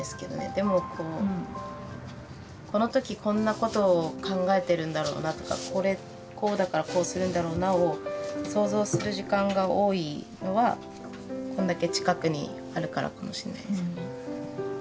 でもこうこの時こんなことを考えてるんだろうなとかこれこうだからこうするんだろうなを想像する時間が多いのはこんだけ近くにあるからかもしれないですよね。